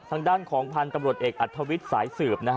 ทางด้านของพันธุ์ตำรวจเอกอัธวิทย์สายสืบนะฮะ